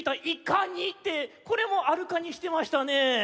「い『かに』」ってこれも「あるカニ」してましたねぇ。